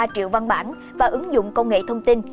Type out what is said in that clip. ba triệu văn bản và ứng dụng công nghệ thông tin